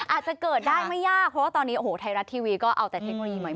อาจจะเกิดได้ไม่ยากเพราะว่าตอนนี้โอ้โหไทยรัฐทีวีก็เอาแต่เทคโนโลยีใหม่